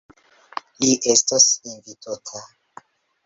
Li estos invitota.